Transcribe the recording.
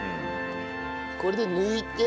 これで抜いて。